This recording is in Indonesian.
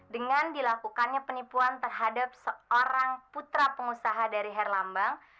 dengan dilakukannya penipuan terhadap seorang putra pengusaha dari herlambang